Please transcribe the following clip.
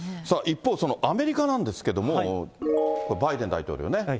さあ一方、そのアメリカなんですけれども、バイデン大統領ね。